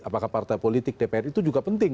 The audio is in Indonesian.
apakah partai politik dpr itu juga penting